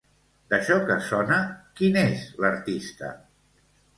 D'això que sona, qui n'és l'artista?